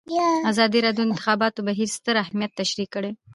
ازادي راډیو د د انتخاباتو بهیر ستر اهميت تشریح کړی.